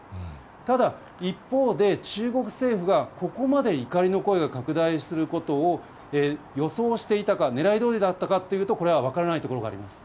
ただ、一方で中国政府がここまで怒りの声が拡大することを予想をしていたか、ねらいどおりだったかというと、これは分からないところがあります。